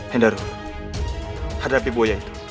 hendaro hadapi boya itu